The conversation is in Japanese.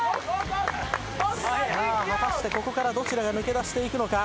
さあ果たしてここからどちらが抜け出していくのか。